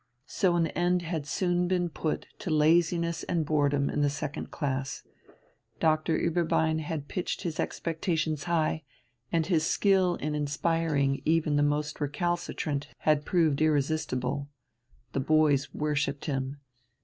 So an end had soon been put to laziness and boredom in the second class. Dr. Ueberbein had pitched his expectations high, and his skill in inspiring even the most recalcitrant had proved irresistible. The boys worshipped him.